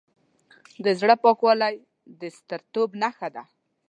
د زړه پاکوالی د سترتوب نښه ده.